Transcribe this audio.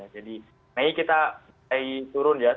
jadi ini kita turun ya